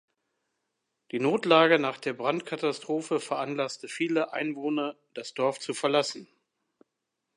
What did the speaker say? Die Notlage nach der Brandkatastrophe veranlasste viele Einwohner, das Dorf zu verlassen.